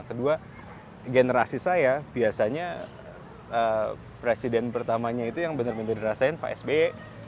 kedua generasi saya biasanya presiden pertamanya itu yang benar benar dirasain pak sby